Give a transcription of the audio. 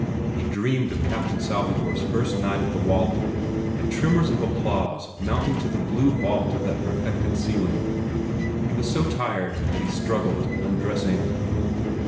He dreamed of "Captain Salvador s" first night at the Walling and tremors of applause mounting to the, blue vault of that perfected ceiling. He was so tired that he struggled, un dressing.